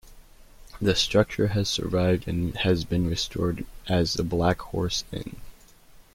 The structure has survived and has been restored as the Black Horse Inn.